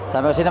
sampai ke sini